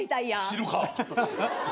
知るか！